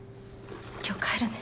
今日帰るね。